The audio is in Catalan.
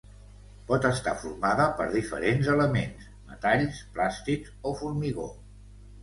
Pot estar formada per diferents elements: metalls, plàstics o formigó.